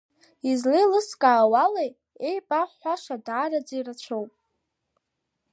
Излиелыскаауа ала иеибаҳҳәаша даараӡа ирацәоуп…